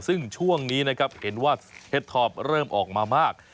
ซึ่งช่วงนี้นะครับเห็นว่าเห็ดทอปเริ่มออกมามาก